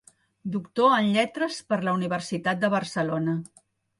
Doctor en lletres per la Universitat de Barcelona.